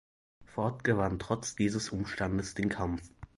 Ford gewann trotz dieses Umstandes den Kampf.